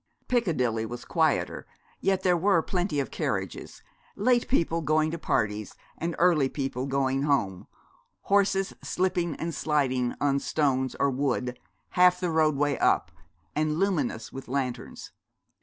Piccadilly was quieter, yet there were plenty of carriages, late people going to parties and early people going home, horses slipping and sliding on stones or wood, half the roadway up, and luminous with lanterns.